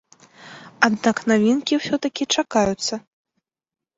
Аднак навінкі ўсё-ткі чакаюцца.